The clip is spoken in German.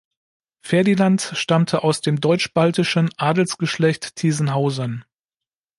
Ferdinand stammte aus dem deutschbaltischen Adelsgeschlecht Tiesenhausen.